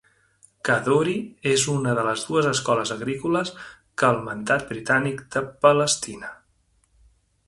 Kadoorie és una de les dues escoles agrícoles que el Mandat Britànic de Palestina.